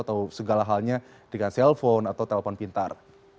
atau segala halnya dengan cell phone atau telepon pintar